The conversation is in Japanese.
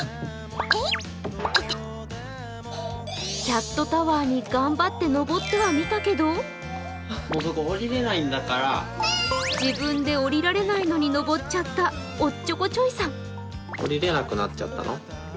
キャットタワーに頑張って登ってはみたけれど自分で降りられないのに登っちゃったおっちょこちょいさん。